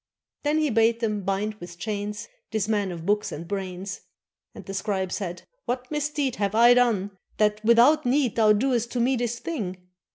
Then he bade them bind with chains This man of books and brains; And the scribe said: "What misdeed Have I done, that, without need, Thou doest to me this thing?"